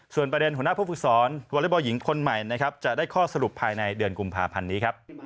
ส่วนประเด็นหัวหน้าผู้ฟึกษรวอร์เล็บอลหญิงคนใหม่จะได้ข้อสรุปภายในเดือนกุมภาพันธ์นี้